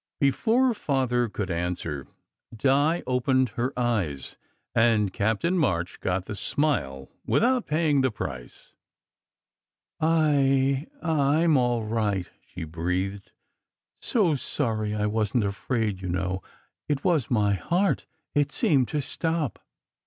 Before Father could answer, Di opened her eyes, and Captain March got the smile without paying the price. S< I I m all right," she breathed. "So sorry! I wasn t afraid, you know. It was my heart. It seemed to stop."